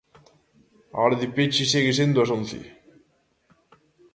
A hora de peche segue sendo as once.